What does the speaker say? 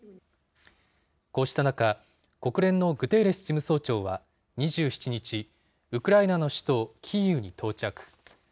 こうした中、国連のグテーレス事務総長は２７日、ウクライナの首都キーウに到着。